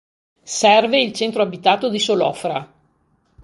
Serve il centro abitato di Solofra.